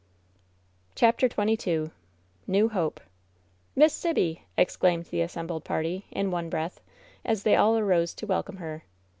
CHAPTEE XXII NEW HOPE "Miss Sibby 1" exclaimed the assembled party, in one breath, as they all arose to welcome her.